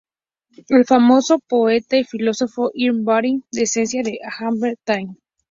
El famoso poeta y filósofo Ibn Arabi descendía de Hatem At-Tai.